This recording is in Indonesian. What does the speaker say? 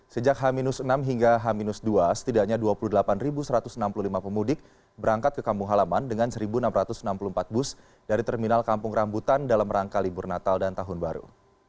sejak h enam hingga h dua setidaknya dua puluh delapan satu ratus enam puluh lima pemudik berangkat ke kampung halaman dengan satu enam ratus enam puluh empat bus dari terminal kampung rambutan dalam rangka libur natal dan tahun baru